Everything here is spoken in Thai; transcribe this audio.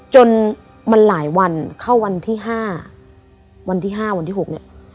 จนมันหลายวันเข้าวันที่๕วันที่๕วันที่๖เนี่ย